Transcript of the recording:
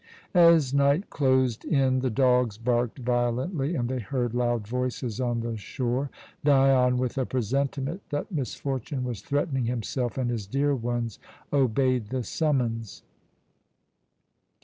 As night closed in the dogs barked violently, and they heard loud voices on the shore. Dion, with a presentiment that misfortune was threatening himself and his dear ones, obeyed the summons.